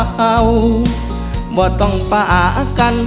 ว่าต้องปะกัน